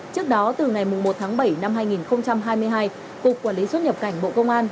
trước đó từ ngày một tháng bảy năm hai nghìn hai mươi hai cục quản lý xuất nhập cảnh bộ công an